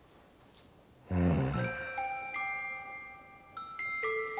うん。